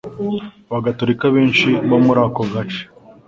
abagatolika benshi bo muri ako gace